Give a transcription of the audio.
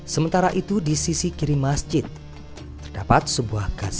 sementara itu di sisi kiri masjid terdapat sebuah gas